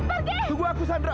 aku nggak ngerti deh